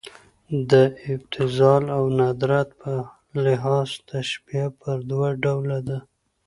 د ابتذال او ندرت په لحاظ تشبیه پر دوه ډوله ده.